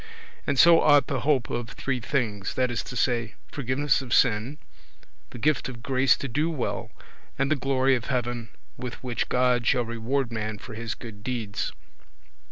And so ought the hope of three things, that is to say, forgiveness of sin, the gift of grace to do well, and the glory of heaven with which God shall reward man for his good deeds.